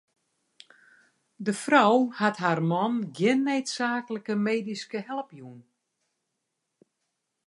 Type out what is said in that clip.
De frou hat har man gjin needsaaklike medyske help jûn.